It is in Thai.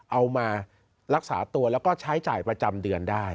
เอามารักษาตัวแล้วก็ใช้จ่ายประจำเดือนได้